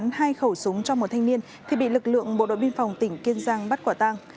bán hai khẩu súng cho một thanh niên thì bị lực lượng bộ đội biên phòng tỉnh kiên giang bắt quả tang